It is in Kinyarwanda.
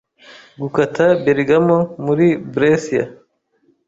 Gukata Bergamo muri Brescia